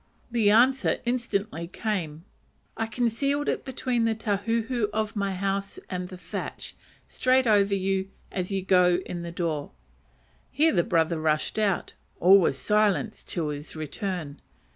The answer instantly came, "I concealed it between the tahuhu of my house and the thatch, straight over you as you go in at the door." Here the brother rushed out; all was silence till his return.